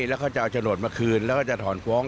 แล้วเขาจะเอาโฉนดมาคืนแล้วก็จะถอนฟ้อง